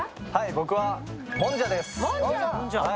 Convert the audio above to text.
僕はもんじゃです。